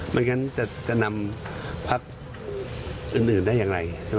ไม่งั้นจะนำพักอื่นได้อย่างไร